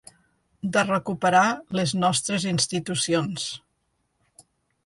De recuperar les nostres institucions.